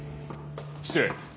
失礼。